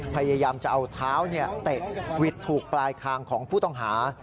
พยายามจะเอาเท้าเตะวิดถูกปลายคางของผู้ต้องหา